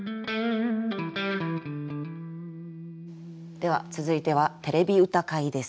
では続いては「てれび歌会」です。